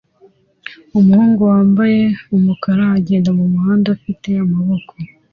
Umuhungu wambaye umukara agenda mumuhanda afite amaboko